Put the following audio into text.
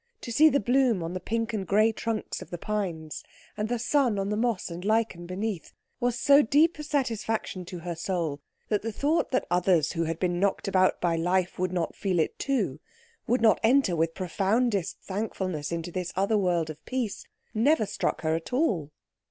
To see the bloom on the pink and grey trunks of the pines, and the sun on the moss and lichen beneath, was so deep a satisfaction to her soul that the thought that others who had been knocked about by life would not feel it too, would not enter with profoundest thankfulness into this other world of peace, never struck her at all.